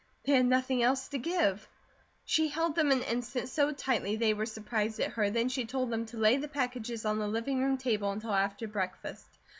They had nothing else to give. She held them an instant so tightly they were surprised at her, then she told them to lay the packages on the living room table until after breakfast.